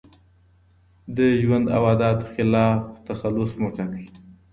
د ژوند او عاداتو خلاف تخلص مه ټاکئ.